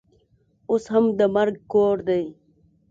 اوس هم د مرګ کور دی.